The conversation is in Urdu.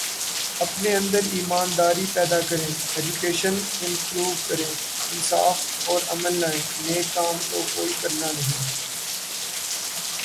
اپنے اندر ایمانداری پیدا کریں، ایجوکیشن امپروو کریں، انصاف اور امن لائیں، نیک کام تو کوئی کرنا نہیں